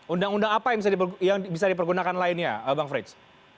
undang undang apa yang bisa dipergunakan lainnya bang frits